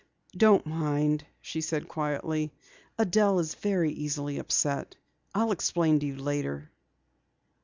"Don't mind," she said quietly. "Adelle is very easily upset. I'll explain to you later."